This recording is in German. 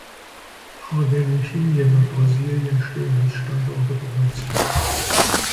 Argentinien und Brasilien stehen als Standorte bereits fest.